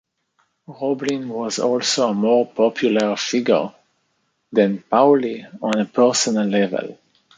Roblin was also a more popular figure than Paulley on a personal level.